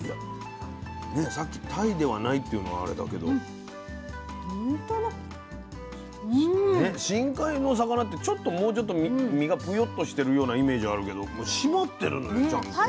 さっきタイではないっていうのはあれだけど深海の魚ってもうちょっと身がぷよっとしてるようなイメージあるけど締まってるのよちゃんと。